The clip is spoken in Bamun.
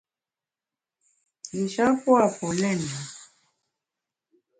Li-sha pua’ polena.